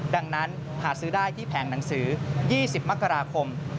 ดังนั้นหาซื้อได้ที่แผงหนังสือ๒๐มกราคม